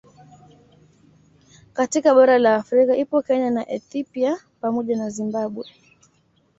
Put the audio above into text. Katika bara la Afrika ipo Kenya na Ethipia pamoja na Zimbabwe